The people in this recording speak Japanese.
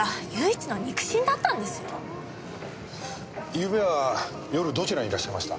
ゆうべは夜どちらにいらっしゃいました？